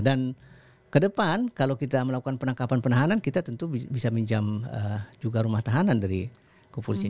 dan kedepan kalau kita melakukan penangkapan penahanan kita tentu bisa minjam juga rumah tahanan dari kepolisian